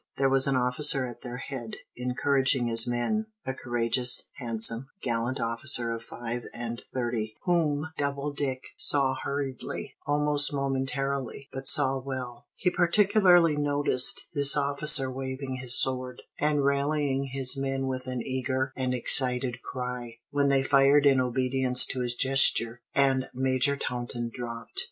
There was an officer at their head, encouraging his men, a courageous, handsome, gallant officer of five and thirty, whom Doubledick saw hurriedly, almost momentarily, but saw well. He particularly noticed this officer waving his sword, and rallying his men with an eager and excited cry, when they fired in obedience to his gesture, and Major Taunton dropped.